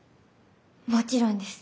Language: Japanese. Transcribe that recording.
もちろんです。